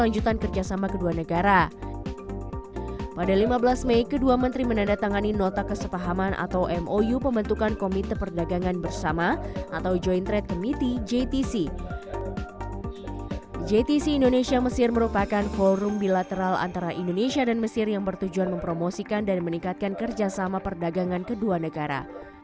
jtc indonesia mesir merupakan forum bilateral antara indonesia dan mesir yang bertujuan mempromosikan dan meningkatkan kerjasama perdagangan kedua negara